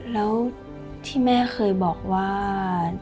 แล้วที่แม่เคยบอกว่า